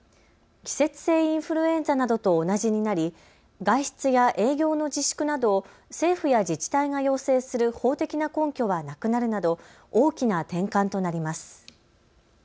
季節性インフルエンザなどと同じになり、外出や営業の自粛などを政府や自治体が要請する法的な根拠はなくなるなど大きな転換となります。